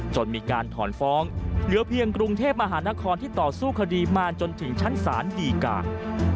จนมีการถอนฟ้องเหลือเพียงกรุงเทพมหานครที่ต่อสู้คดีมาจนถึงชั้นศาลดีกา